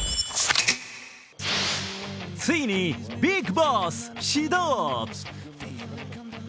ついにビッグボス始動。